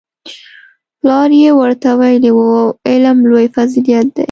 پلار یې ورته ویلي وو علم لوی فضیلت دی